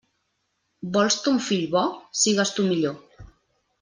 Vols ton fill bo? Sigues tu millor.